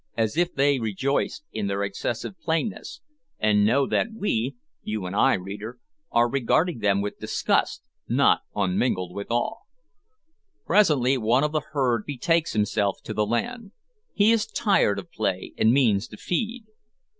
as if they rejoiced in their excessive plainness, and knew that we you and I, reader are regarding them with disgust, not unmingled with awe. Presently one of the herd betakes himself to the land. He is tired of play, and means to feed.